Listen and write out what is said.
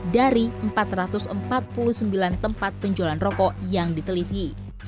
dari empat ratus empat puluh sembilan tempat penjualan rokok yang diteliti